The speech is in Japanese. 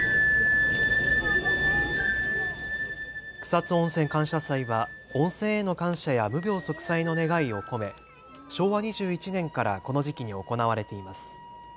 草津温泉感謝祭は温泉への感謝や無病息災の願いを込め昭和２１年からこの時期に行われています。